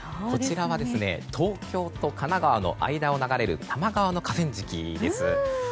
こちらは東京と神奈川の間を流れる多摩川の河川敷です。